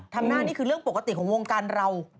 ทำหน้านี่คือเรื่องปกติของวงการเรา